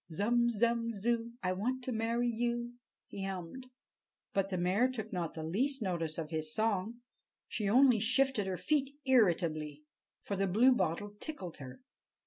"Zum, zum, zoo, I want to marry you!" he hummed. But the mare took not the least notice of his song. She only shifted her feet irritably, for the Bluebottle tickled her.